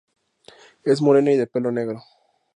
Es morena y de pelo negro.